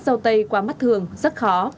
dâu tây qua mắt thường rất khó